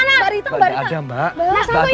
mas anto ini rumahku kalian ngambil rumahku